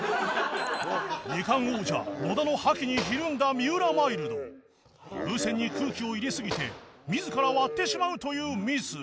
２冠王者野田の覇気にひるんだ三浦マイルド風船に空気を入れすぎて自ら割ってしまうというミス